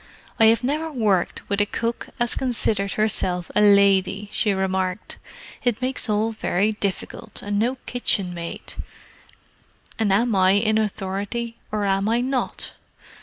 "I have never worked with a cook as considered herself a lady," she remarked. "It makes all very difficult, and no kitchen maid, and am I in authority or am I not?